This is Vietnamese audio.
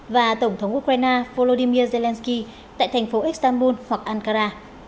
và tổng thống ukraine volodymyr zelensky tại thành phố istanbul hoặc ankara